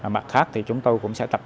mặt khác thì chúng tôi cũng sẽ tự lý gần